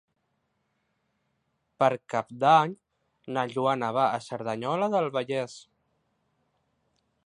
Per Cap d'Any na Joana va a Cerdanyola del Vallès.